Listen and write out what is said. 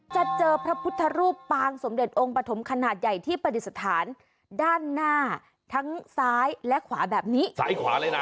จะเจอพระพุทธรูปปางสมเด็จองค์ปฐมขนาดใหญ่ที่ปฏิสถานด้านหน้าทั้งซ้ายและขวาแบบนี้ซ้ายขวาเลยนะ